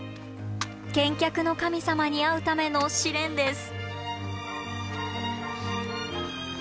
健脚の神様に会うための試練です。